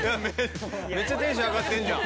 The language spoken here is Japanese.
めっちゃテンション上がってるじゃん。